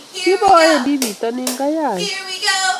Kipoendi pitonin kayain